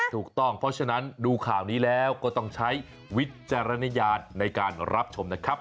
ถูกต้องเพราะฉะนั้นดูข่าวนี้แล้วก็ต้องใช้วิจารณญาณในการรับชมนะครับ